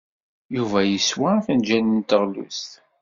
Yuba yeswa afenjal n teɣlust.